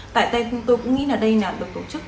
tại đây tôi cũng nghĩ là đây là được tổ chức